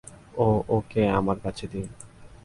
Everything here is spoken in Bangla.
ওহ, ওকে আমার কাছে দিন!